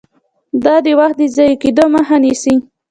دا د وخت د ضایع کیدو مخه نیسي.